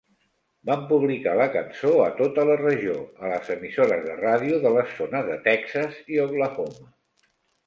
Van publicar la cançó a tota la regió a les emissores de ràdio de les zones de Texas i Oklahoma.